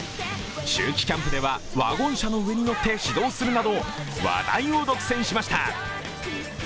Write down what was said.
秋季キャンプでは、ワゴン車の上に乗って指導するなど、話題を独占しました。